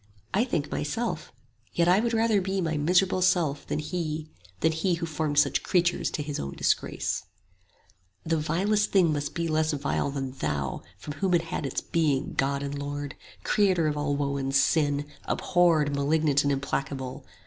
I think myself; yet I would rather be My miserable self than He, than He Who formed such creatures to His own disgrace. "The vilest thing must be less vile than Thou 25 From whom it had its being, God and Lord! Creator of all woe and sin! abhorred Malignant and implacable!